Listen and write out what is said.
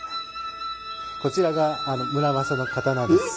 こちらが村正の刀です。